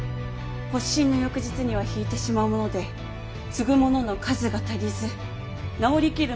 発疹の翌日には引いてしまうもので継ぐ者の数が足りず治りきる